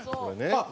あっ！